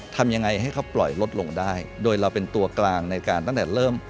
ทำยังไงให้เขาปล่อยลดลงได้โดยเราเป็นตัวกลางในการตั้งแต่เริ่ม